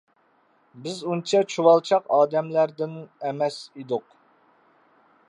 بىز ئۇنچە چۇۋالچاق ئادەملەردىن ئەمەس ئىدۇق.